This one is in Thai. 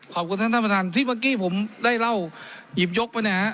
ขอบคุณท่านท่านประธานที่เมื่อกี้ผมได้เล่าหยิบยกไปเนี่ยฮะ